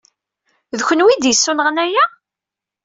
D kenwi ay d-yessunɣen aya?